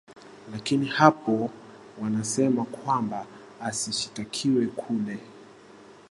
lakini hapo wanasema kwamba asishtakiwe kule